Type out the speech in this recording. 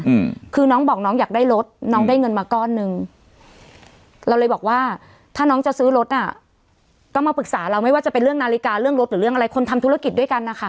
อืมคือน้องบอกน้องอยากได้รถน้องได้เงินมาก้อนหนึ่งเราเลยบอกว่าถ้าน้องจะซื้อรถอ่ะก็มาปรึกษาเราไม่ว่าจะเป็นเรื่องนาฬิกาเรื่องรถหรือเรื่องอะไรคนทำธุรกิจด้วยกันนะคะ